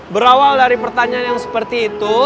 berawal dari pertanyaan yang seperti itu